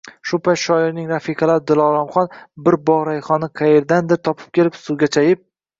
Shu payt shoirning rafiqalari Diloromxon bir bog’ rayhonni qayerdandir topib kelib, suvga chayib